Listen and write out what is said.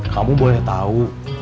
kamu boleh tahu